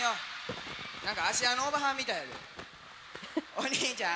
「お兄ちゃん？